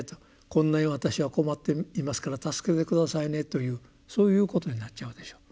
「こんなに私は困っていますから助けて下さいね」というそういうことになっちゃうでしょう。